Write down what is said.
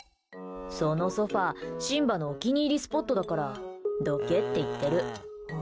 そのソファ、シンバのお気に入りスポットだからどけって言ってる。